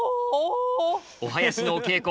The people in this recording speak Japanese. お囃子のお稽古